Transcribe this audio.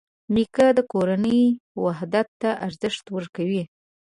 نیکه د کورنۍ وحدت ته ارزښت ورکوي.